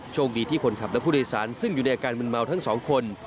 โชคดีที่คนขับและผู้โดยสารซึ่งอยู่ในอาการมึนเมาทั้งสองคน